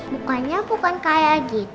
bukannya bukan kayak gitu